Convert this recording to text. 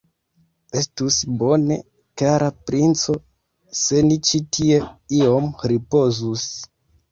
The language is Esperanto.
Estus bone, kara princo, se ni ĉi tie iom ripozus.